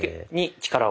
力を？